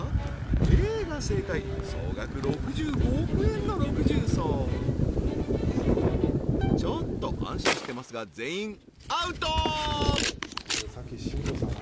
Ａが正解総額６５億円の六重奏ちょっと安心してますが全員アウトそうははは